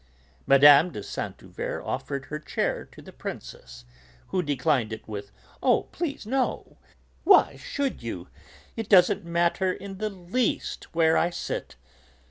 Mme. de Saint Euverte offered her own chair to the Princess, who declined it with: "Oh, please, no! Why should you? It doesn't matter in the least where I sit."